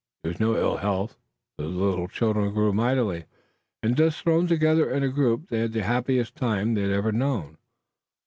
There was no ill health. The little children grew mightily, and, thus thrown together in a group, they had the happiest time they had ever known.